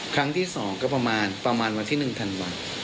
ครั้งที่๒ก็ประมาณประมาณวันที่๑ธันวา